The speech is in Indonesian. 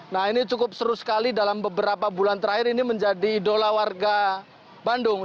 nah ini cukup seru sekali dalam beberapa bulan terakhir ini menjadi idola warga bandung